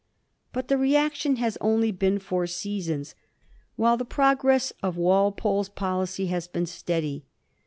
But the reaction has only been for seasons, while the pro gress of Walpole's policy has been steady.